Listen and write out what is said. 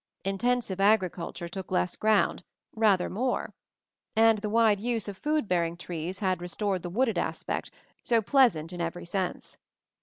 Intensive agricul ture took less ground, rather more ; and the wide use of food bearing trees had restored the wooded aspect, so pleasant in every sense.